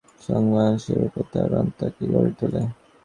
স্বয়ং মানুষের উপর ভার তাকে গড়ে তোলা।